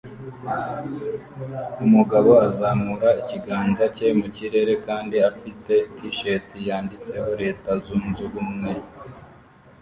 Umugabo azamura ikiganza cye mu kirere kandi afite t-shirt yanditseho leta zunze ubumwe